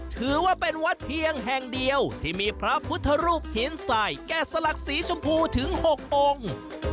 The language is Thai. ถือว่าเป็นวัดเพียงแห่งเดียวที่มีพระพุทธรูปหินสายแก่สลักสีชมพูถึง๖องค์